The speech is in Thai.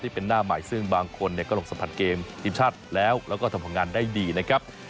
เป็นหน้าใหม่ซึ่งบางคนก็ลงสัมผัสเกมทีมชาติแล้วแล้วก็ทำผลงานได้ดีนะครับ